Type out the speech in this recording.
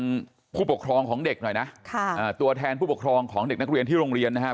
ผู้ปกครองของเด็กหน่อยนะค่ะอ่าตัวแทนผู้ปกครองของเด็กนักเรียนที่โรงเรียนนะครับ